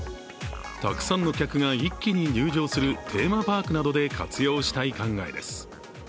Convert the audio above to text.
たくさんの客が一気に入場するテーマパークなどで活用したい考えです。